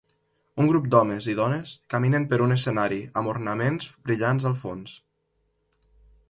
Un grup d'homes i dones caminen per un escenari amb ornaments brillants al fons